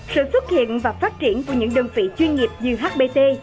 sự xuất hiện và phát triển của những đơn vị chuyên nghiệp như hbt